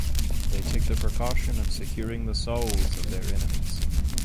They take the precaution of securing the souls of their enemies.